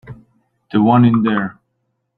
The one in there.